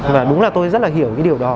và đúng là tôi rất là hiểu cái điều đó